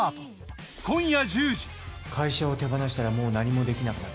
会社を手放したらもう何もできなくなる。